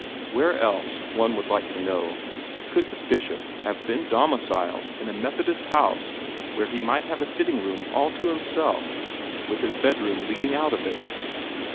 Where else, one would like to know, could the Bishop have been domiciled in a Methodist house where he might have a sitting room all to himself, with his bedroom leading out of it?